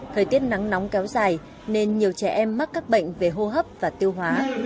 thời tiết nắng nóng kéo dài nên nhiều trẻ em mắc các bệnh về hô hấp và tiêu hóa